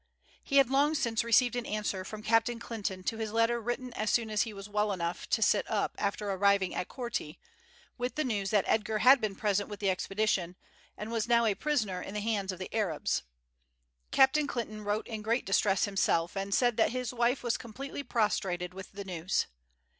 He had long since received an answer from Captain Clinton to his letter written as soon as he was well enough to sit up after arriving at Korti, with the news that Edgar had been present with the expedition, and was now a prisoner in the hands of the Arabs. Captain Clinton wrote in great distress himself, and said that his wife was completely prostrated with the news.